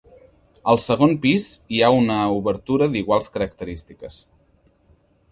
Al segon pis hi ha una obertura d'iguals característiques.